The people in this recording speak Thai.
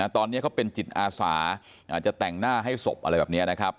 ตอนนี้เขาเป็นจิตอาสาจะแต่งหน้าให้ศพอะไรแบบนี้นะครับ